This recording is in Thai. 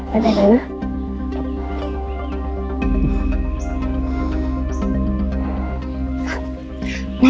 ไปไหนเลยนะ